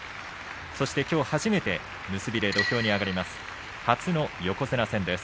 そしてきょう初めて結びで土俵に上がります。